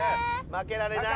負けられない。